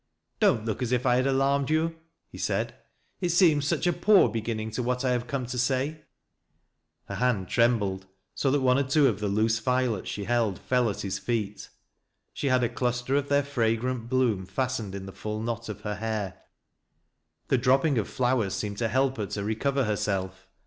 " Don't look as if 1 had alarmed you," he said. " It seems such a poor beginning to what 1 have come tc Bay." Her hand trembled so that one or two of the loose violets she held fell at his feet. She had a cluster of their fra grant bloom fastened in the full knot of her hair. The dropping of the flowers seemed to help her to recover her self.